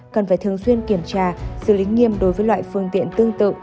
cần phải thường xuyên kiểm tra xử lý nghiêm đối với loại phương tiện tương tự